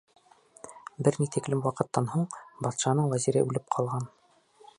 Бер ни тиклем ваҡыттан һуң, батшаның вәзире үлеп ҡалған.